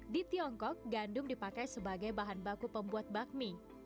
di tiongkok gandum dipakai sebagai bahan baku pembuat bakmi